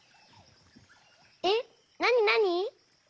えっなになに？